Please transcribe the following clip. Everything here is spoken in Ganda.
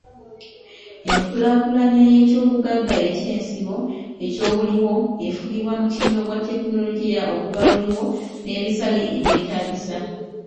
Enkulaakulanya y'ekyobugagga eky'ensibo ekyobuliwo efugibwa mutindo gwa tekinologia oguba guliwo n'ebisale ebyetaagisa